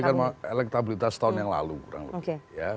ini kan elektabilitas tahun yang lalu kurang lebih